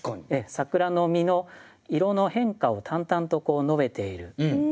桜の実の色の変化を淡々と述べているだけですね。